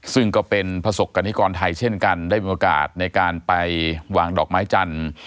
ซึ่งก็เป็นประสบกรณิกรไทยเช่นกันได้มีโอกาสในการไปวางดอกไม้จันทร์